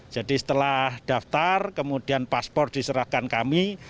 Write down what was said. jadi setelah daftar kemudian paspor diserahkan kami